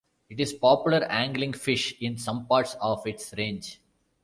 It is a popular angling fish in some parts of its range.